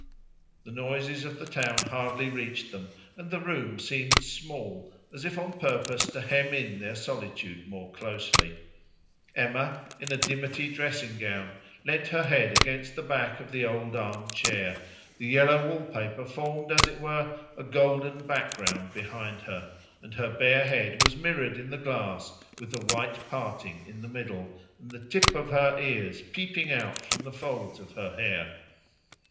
The noises of the town hardly reached them, and the room seemed small, as if on purpose to hem in their solitude more closely. Emma, in a dimity dressing gown, leant her head against the back of the old arm chair; the yellow wall paper formed, as it were, a golden background behind her, and her bare head was mirrored in the glass with the white parting in the middle, and the tip of her ears peeping out from the folds of her hair.